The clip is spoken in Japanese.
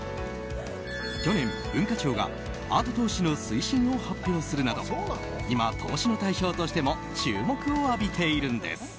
去年、文化庁がアート投資の推進を発表するなど今、投資の対象としても注目を浴びているんです。